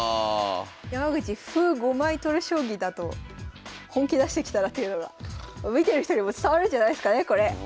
山口歩５枚取る将棋だと本気出してきたなっていうのが見てる人にも伝わるんじゃないすかねこれ。